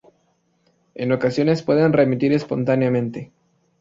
En ocasiones puede remitir espontáneamente.